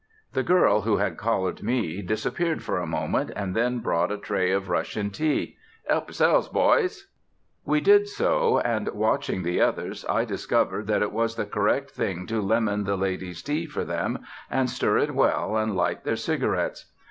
The girl who had collared me disappeared for a moment, and then brought a tray of Russian tea. "Help 'selves, boys!" We did so, and, watching the others, I discovered that it was the correct thing to lemon the ladies' tea for them and stir it well and light their cigarettes.